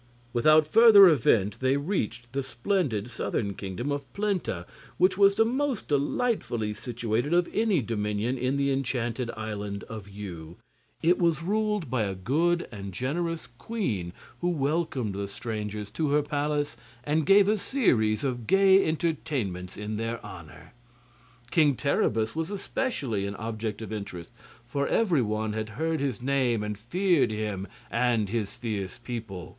Without further event they reached the splendid southern Kingdom of Plenta, which was the most delightfully situated of any dominion in the Enchanted Island of Yew. It was ruled by a good and generous queen, who welcomed the strangers to her palace and gave a series of gay entertainments in their honor. King Terribus was especially an object of interest, for every one had heard his name and feared him and his fierce people.